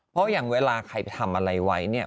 เพราะอย่างเวลาใครไปทำอะไรไว้เนี่ย